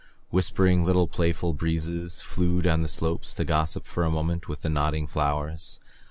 Whispering little playful breezes flew down the slopes to gossip for a moment with the nodding flowers.